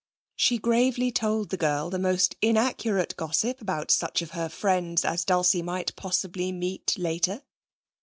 She gravely told the girl the most inaccurate gossip about such of her friends as Dulcie might possibly meet later.